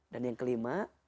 dan yang kelima